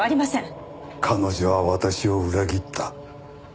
彼女は私を裏切った。